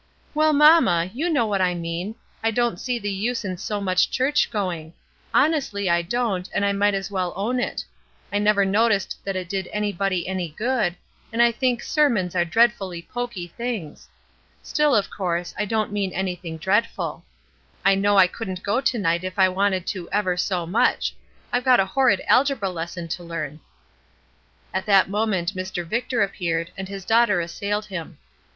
"Well, mamma, you know what I mean. I don't see the use in so much church going; honestly, I don't, and I might as well own it. I never noticed that it did anybody any good, and I think sermons are dreadfully pokey things. Still, of course, I don't mean anything dreadful. I know I couldn't go to night if I wanted to ever so much. I've got a horrid algebra lesson to learn." At that moment Mr. Victor appeared, and his daughter assailed him.